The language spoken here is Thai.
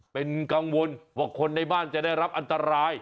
เป็นกังวลที่วันคนในบ้านจะรับอันตราย